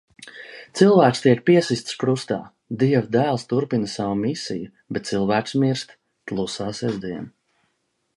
Cilvēks tiek piesists krustā. Dieva dēls turpina savu misiju, bet cilvēks mirst. Klusā sestdiena.